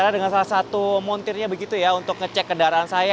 karena dengan salah satu montirnya begitu ya untuk ngecek kendaraan saya